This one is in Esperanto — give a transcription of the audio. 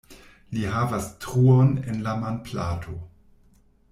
Li havas truon en la manplato.